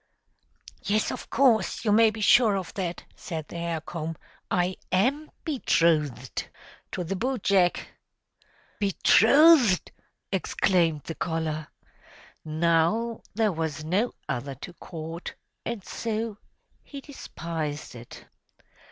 "Yes, of course! you may be sure of that," said the hair comb. "I AM betrothed to the boot jack!" "Betrothed!" exclaimed the collar. Now there was no other to court, and so he despised it.